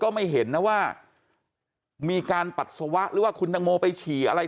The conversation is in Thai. ไม่เห็นนะว่ามีการปัสสาวะหรือว่าคุณตังโมไปฉี่อะไร